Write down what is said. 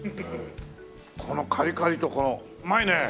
このカリカリとこのうまいね！